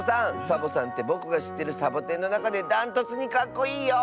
サボさんってぼくがしってるサボテンのなかでだんとつにかっこいいよ！